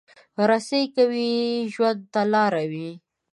رسۍ که وي، ژوند ته لاره وي.